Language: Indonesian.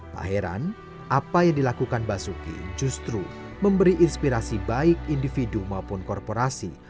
tak heran apa yang dilakukan basuki justru memberi inspirasi baik individu maupun korporasi